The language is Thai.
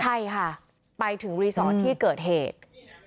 ใช่ค่ะไปถึงรีสอร์ทที่เกิดเหตุ